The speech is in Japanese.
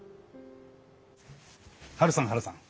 ハルさんハルさん。